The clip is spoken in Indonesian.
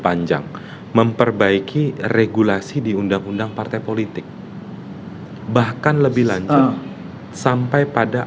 panjang memperbaiki regulasi di undang undang partai politik bahkan lebih lanjut sampai pada